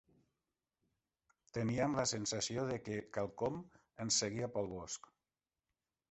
Teníem la sensació de què quelcom ens seguia pels bosc.